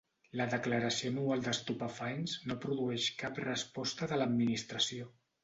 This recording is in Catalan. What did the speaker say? La declaració anual d'estupefaents no produeix cap resposta de l'Administració.